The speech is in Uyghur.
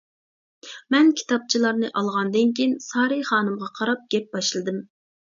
مەن كىتابچىلارنى ئالغاندىن كېيىن سارى خانىمغا قاراپ گەپ باشلىدىم.